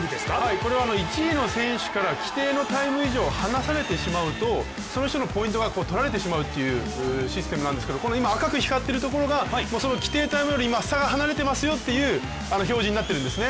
これは１位の選手から規定のタイム以上、話されてしまうと、その人のポイントがとられてしまうというシステムなんですが赤く光っているところが規定タイムより差が離れてますよという表示になっているんですね。